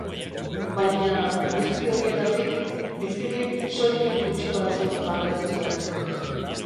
Baina, guzti horietatik, bizirik, soilik gutxi batzuk jarraitu zuten.